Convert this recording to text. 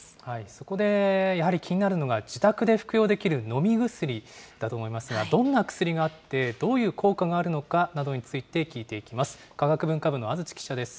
そこでやはり気になるのが、自宅で服用できる飲み薬だと思いますが、どんな薬があって、どういう効果があるのかなどについて聞いていきます。